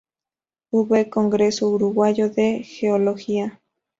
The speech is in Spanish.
V Congreso Uruguayo de Geología.